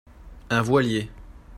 un voilier.